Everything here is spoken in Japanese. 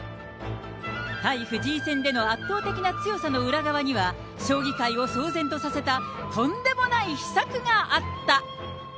対藤井戦での圧倒的な強さの裏側には、将棋界を騒然とさせたとんでもない秘策があった。